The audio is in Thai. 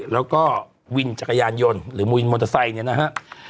แล้วก็วินจักรยานยนต์หรือวินมอเตอร์ไซค์เนี่ยนะฮะ